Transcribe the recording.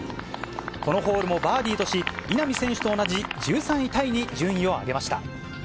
このホールもバーディーとし、稲見選手と同じ１３位タイに順位を上げました。